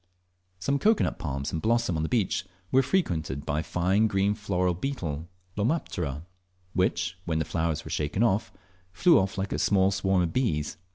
Some cocoa nut palms in blossom on the beach were frequented by a fine green floral beetle (Lomaptera) which, when the flowers were shaken, flew off like a small swarm of bees.